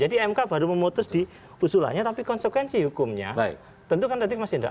jadi mk baru memutus di usulannya tapi konsekuensi hukumnya tentu kan tentu masih tidak